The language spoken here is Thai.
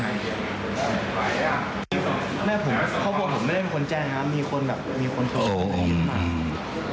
เขาบอกผมไม่ได้เป็นคนแจ้งนะมีคนแบบมีคนโทรมา